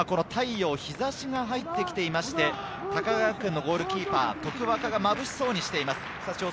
太陽の日ざしが入ってきていまして、高川学園のゴールキーパー・徳若がまぶしそうにしています。